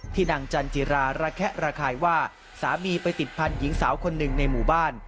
นางจันจิราระแคะระคายว่าสามีไปติดพันธุ์หญิงสาวคนหนึ่งในหมู่บ้าน